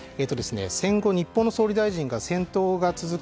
戦後、総理大臣が戦闘が続く